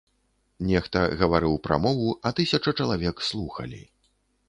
Нехта гаварыў прамову, а тысяча чалавек слухалі.